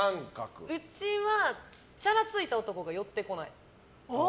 うちは、チャラついた男が寄ってこない。